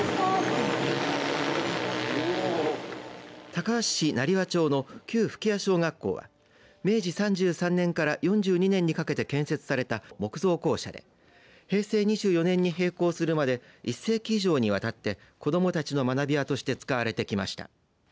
高梁市成羽町の旧吹屋小学校は明治３３年から４２年にかけて建設された木造校舎で平成２４年に閉校するまで１世紀以上にわたって子どもたちの学びやとして使われてきました。